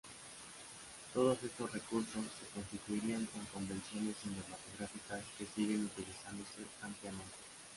Todos estos recursos se constituirían en convenciones cinematográficas que siguen utilizándose ampliamente.